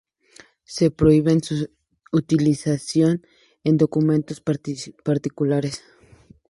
Se prohíbe su utilización en documentos particulares.